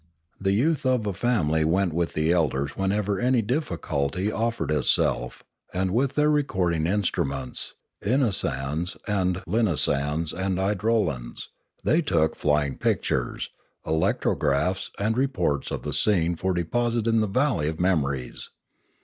The youth of a family went with the elders whenever any difficulty offered itself, and with their recording instruments, inasans and linasans and idro sans, they took flying pictures, electrographs, and re ports of the scene for deposit in the valley of memories.